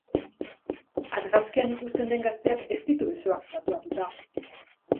Argazkian ikusten den gazteak ez ditu besoak tatuatua.